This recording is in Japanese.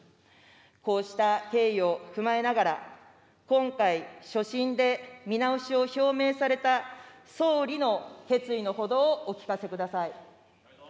こうした経緯を踏まえながら、今回、所信で見直しを表明された総理の決意のほどをお聞かせください。